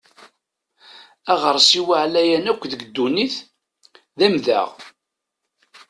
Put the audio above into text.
Aɣersiw aɛlayen akk deg ddunit d amdeɣ.